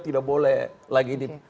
tidak boleh lagi dip